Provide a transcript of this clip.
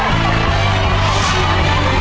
ขอบคุณครับ